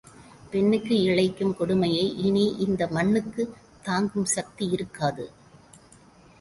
பெண்ணுக்கு இழைக்கும் கொடுமையை இனி இந்த மண்ணுக்குத் தாங்கும் சக்தி இருக்காது.